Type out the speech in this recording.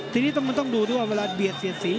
ทีนี้มันต้องดูด้วยว่าเวลาเบียดเสียดสี